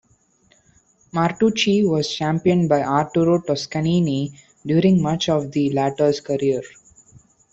Martucci was championed by Arturo Toscanini during much of the latter's career.